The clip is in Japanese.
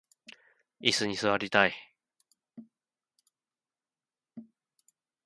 いすに座りたい